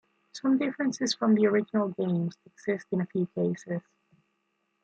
Some differences from the original games exist in a few cases.